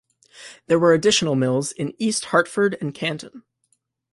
There were additional mills in East Hartford and Canton.